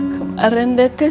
dan siapa yang akan